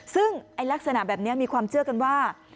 ซึ่งลักษณะแบบนี้มีความเชื่อกันว่า